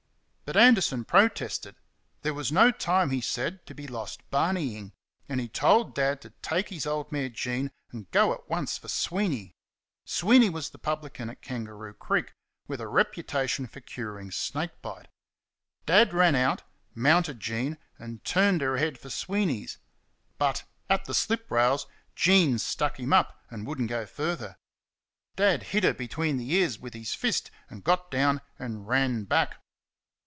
But Anderson protested. There was no time, he said, to be lost barneying; and he told Dad to take his old mare Jean and go at once for Sweeney. Sweeney was the publican at Kangaroo Creek, with a reputation for curing snake bite. Dad ran out, mounted Jean and turned her head for Sweeney's. But, at the slip rails, Jean stuck him up, and would n't go further. Dad hit her between the ears with his fist, and got down and ran back.